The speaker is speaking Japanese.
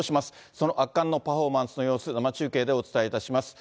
その圧巻のパフォーマンスの様子、生中継でお伝えします。